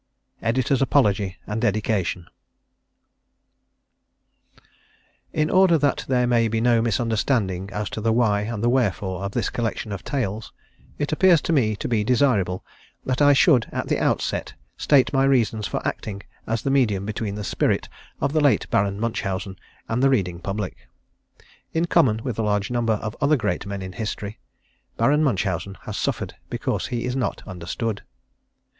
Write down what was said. EDITOR'S APOLOGY and DEDICATION _In order that there may be no misunderstanding as to the why and the wherefore of this collection of tales it appears to me to be desirable that I should at the outset state my reasons for acting as the medium between the spirit of the late Baron Munchausen and the reading public. In common with a large number of other great men in history Baron Munchausen has suffered because he is not understood.